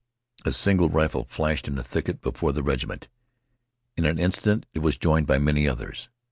A single rifle flashed in a thicket before the regiment. In an instant it was joined by many others.